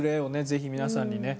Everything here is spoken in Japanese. ぜひ皆さんにね。